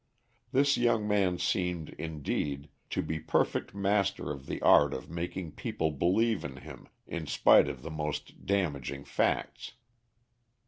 This young man seemed, indeed, to be perfect master of the art of making people believe in him in spite of the most damaging facts.